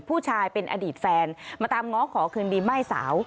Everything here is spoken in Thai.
ผู้ชายเป็นอดีตแฟนมาตามง้อขอคืนดีม่ายสาว